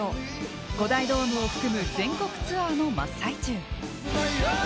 ５大ドームを含む全国ツアーの真っ最中。